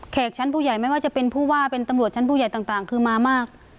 ชั้นผู้ใหญ่ไม่ว่าจะเป็นผู้ว่าเป็นตำรวจชั้นผู้ใหญ่ต่างคือมามาก